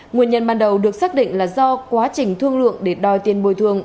nguyên nhân ban đầu được xác định là do quá trình thương lượng để đòi tiền bồi thường